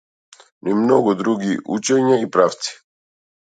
Но и многу други учења и правци.